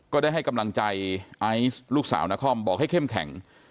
ได้ให้กำลังใจไอซ์ลูกสาวนครบอกให้เข้มแข็ง